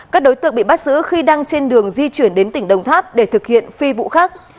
các đối tượng bị bắt giữ khi đang trên đường di chuyển đến tỉnh đồng tháp để thực hiện phi vụ khác